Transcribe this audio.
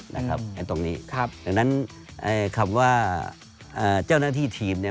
ไอ้ตรงนี้ครับดังนั้นคำว่าเจ้าหน้าที่ทีมเนี่ย